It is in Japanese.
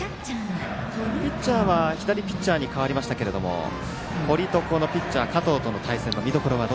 ピッチャーは左ピッチャーにかわりましたけど堀と、このピッチャー加藤との対戦の見どころは？